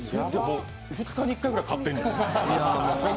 ２日に１回ぐらい買ってるじゃん。